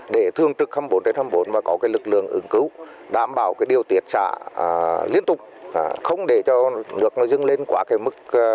để thương trực khó khăn cho vùng hạ du